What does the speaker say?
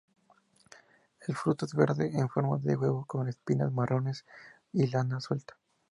El fruto es verde en forma de huevo con espinas marrones y lana suelta.